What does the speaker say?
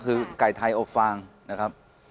คือไก่ไทยอบฟางนะครับ